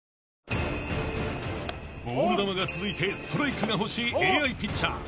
［ボール球が続いてストライクが欲しいＡＩピッチャー］